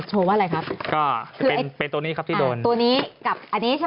ว่าอะไรครับก็เป็นเป็นตัวนี้ครับที่โดนตัวนี้กับอันนี้ใช่ไหม